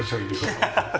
ハハハハ。